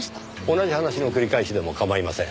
同じ話の繰り返しでも構いません。